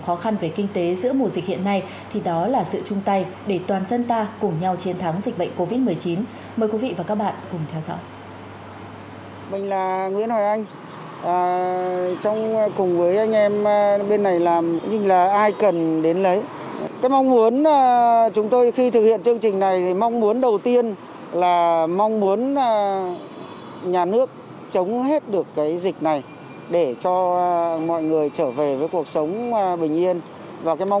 họ hành động không phải vì hương tương hèn hưởng hay do sự phương công chỉ đạo